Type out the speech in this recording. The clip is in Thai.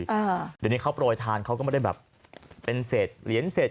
เดี๋ยวนี้เขาโปรยทานเขาก็ไม่ได้แบบเป็นเศษเหรียญเศษ